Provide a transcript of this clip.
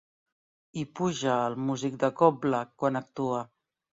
Hi puja el músic de cobla quan actua.